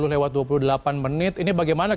lewat dua puluh delapan menit ini bagaimana